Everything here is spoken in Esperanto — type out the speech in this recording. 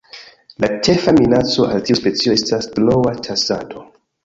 La ĉefa minaco al tiu specio estas troa ĉasado.